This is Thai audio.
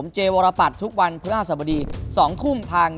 ใช่ไหม